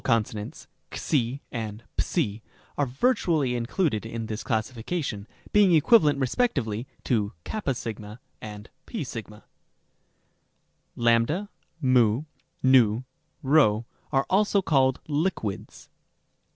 consonants, € and Ψ, are virtually included in this classification, being equivalent respectively to xo and mo. Rem. b. Ἃ, p, ν, p, are also called liquids.